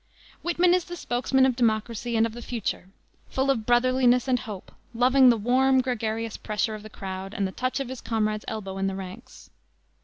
Whitman is the spokesman of Democracy and of the future; full of brotherliness and hope, loving the warm, gregarious pressure of the crowd and the touch of his comrade's elbow in the ranks.